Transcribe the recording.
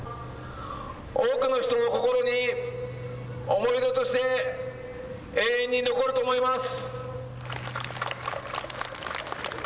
多くの人の心に思い出として永遠に残ると思います。